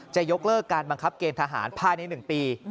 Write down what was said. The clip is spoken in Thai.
จะยกเลิกการบังคับเกณฑหารภายใน๑ปี